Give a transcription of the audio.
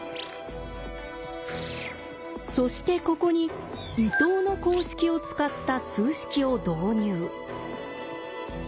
そしてここに伊藤の公式を使った数式を導入。